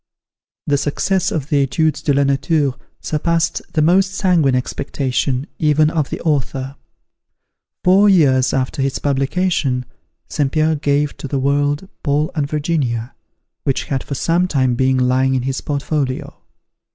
The success of the "Etudes de la Nature" surpassed the most sanguine expectation, even of the author. Four years after its publication, St. Pierre gave to the world "Paul and Virginia," which had for some time been lying in his portfolio.